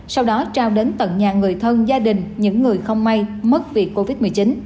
sau đó trao đến tận nhà người thân gia đình những người không may mất vì covid một mươi chín